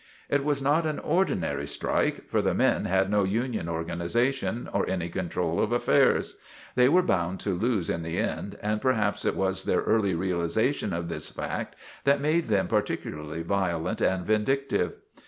It was not an ordinary strike, for the men had no union organization or any control of affairs. They were bound to lose in the end, and perhaps it was their early realization of this fact that made them particularly violent and vindictive.